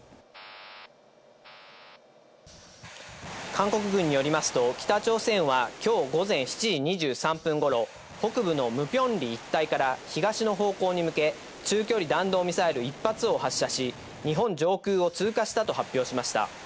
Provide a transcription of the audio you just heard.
韓国軍によりますと北朝鮮はきょう午前７時２３分頃、北部のムピョンリ一帯から東の方向に向け、中距離弾道ミサイル１発を発射し、日本上空を通過したと発表しました。